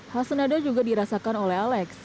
hal senada juga dirasakan oleh alex